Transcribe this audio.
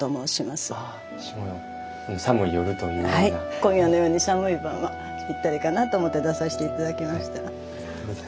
今夜のように寒い晩はぴったりかなと思って出させて頂きました。